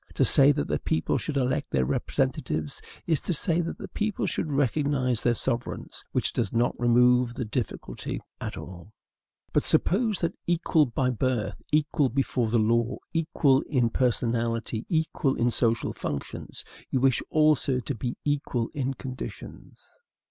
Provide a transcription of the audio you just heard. To say that the people should elect their representatives is to say that the people should recognize their sovereigns, which does not remove the difficulty at all. But suppose that, equal by birth, equal before the law, equal in personality, equal in social functions, you wish also to be equal in conditions.